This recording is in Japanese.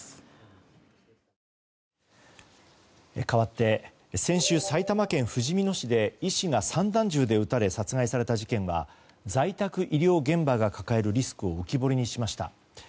かわって、先週埼玉県ふじみ野市で医師が散弾銃で撃たれ殺害された事件は在宅医療現場が抱えるリスクを浮き彫りにしました。